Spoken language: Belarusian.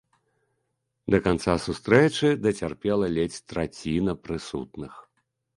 Да канца сустрэчы дацярпела ледзь траціна прысутных.